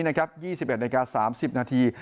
๒๑นาที๓๐นาที